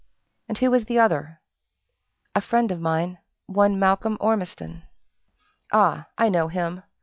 "And who was the other?" "A friend of mine one Malcolm Ormiston." "Ah! I know him!